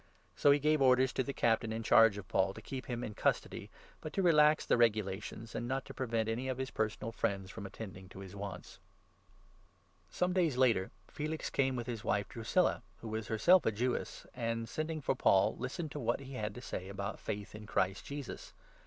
So he gave orders to the Captain in charge of Paul to keep him 23 in custody, but to relax the regulations, and not to prevent any of his personal friends from attending to his wants. 262 THE ACTS, 24* 25. Some days later Felix came with his.wife Drusilla, who was 24 herself a Jewess, and, sending for Paul, listened to what he had to say about faith in Christ Jesus.